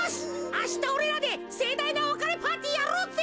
あしたおれらでせいだいなおわかれパーティーやろうぜ！